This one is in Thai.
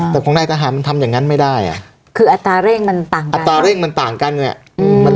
แต่ของนายทหารมันทำอย่างนั้นไม่ได้อ่ะคืออัตราเร่งมันต่างกันอัตราเร่งมันต่างกันไง